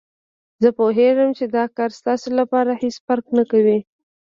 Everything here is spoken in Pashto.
زه پوهېږم چې دا کار ستاسو لپاره هېڅ فرق نه کوي.